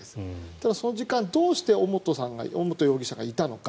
ただ、その時間どうして尾本容疑者がいたのか。